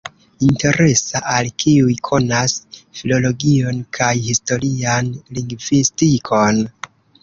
Interesa al kiuj konas filologion kaj historian lingvistikon.